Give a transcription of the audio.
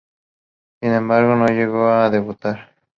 Sin embargo, no llegó a debutar.